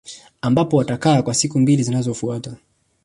Ambapo atakaa kwa siku mbili zinazofuata